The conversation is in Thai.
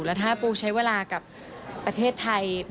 แล้วถ้าปูใช้เวลากับประเทศไทย